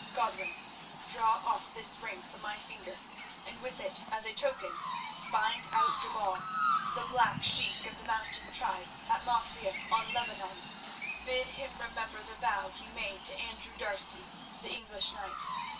Godwin, draw off this ring from my finger, and with it as a token, find out Jebal, the black sheik of the Mountain Tribe at Masyaf on Lebanon. Bid him remember the vow he made to Andrew D'Arcy, the English knight.